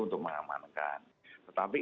untuk mengamankan tetapi